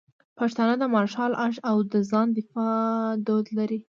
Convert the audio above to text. پښتانه د مارشل آرټ او د ځان د دفاع دود لري.